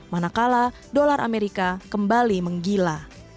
manakala dolar amerika kembali menggila